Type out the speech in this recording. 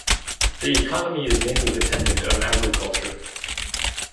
The economy is mainly dependent on agriculture.